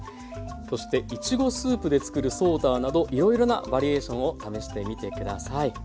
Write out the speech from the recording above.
そしていちごスープでつくるソーダなどいろいろなバリエーションを試してみて下さい。